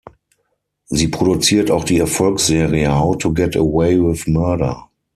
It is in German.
Sie produziert auch die Erfolgsserie "How to Get Away with Murder".